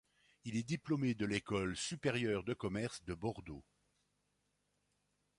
Il est diplômé de l'Ecole supérieure de Commerce de Bordeaux.